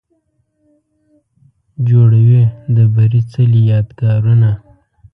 جوړوي د بري څلې، یادګارونه